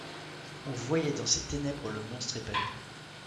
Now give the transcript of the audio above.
On voyait dans ces ténèbres le monstre épanoui.